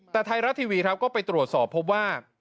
แต่ไทยรัฐทีวีครับก็ไปตรวจสอบพบว่า